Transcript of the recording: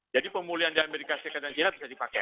jadi pemulihan dari amerika serikat dan china bisa dipakai